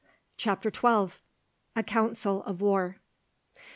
CHAPTER XII. A COUNCIL OF WAR.